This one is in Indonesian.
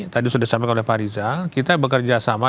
tadi sudah disampaikan oleh pak rizal kita bekerja sama